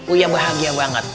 uya bahagia banget